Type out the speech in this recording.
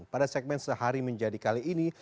pada segmen sehari menjadi kali ini